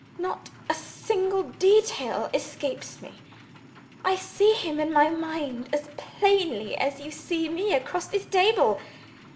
Not a single detail escapes me. I see him in my mind as plainly as you see me across this table.